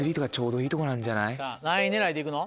何位狙いでいくの？